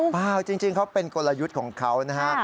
จริงเขาเป็นกลยุทธ์ของเขานะฮะ